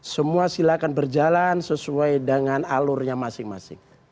semua silakan berjalan sesuai dengan alurnya masing masing